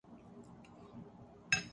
وہ کچھ غلط کہہ رہا ہے کہ درست